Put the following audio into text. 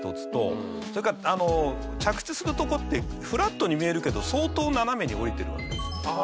それから着地するとこってフラットに見えるけど相当斜めに下りてるわけです。